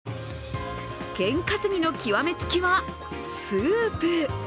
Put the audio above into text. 験担ぎの極め付きはスープ。